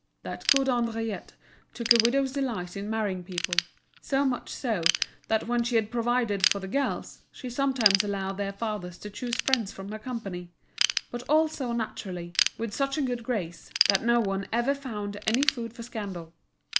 That good Henriette took a widow's delight in marrying people, so much so, that when she had provided for the girls, she sometimes allowed their fathers to choose friends from her company; but all so naturally, with such a good grace, that no one ever found any food for scandal.